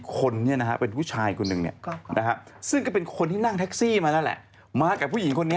กลัวว่าผมจะต้องไปพูดให้ปากคำกับตำรวจยังไง